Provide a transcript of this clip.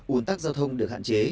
ùn tắc giao thông được hạn chế